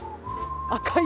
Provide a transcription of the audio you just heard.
赤い？